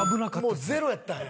もうゼロやったんや。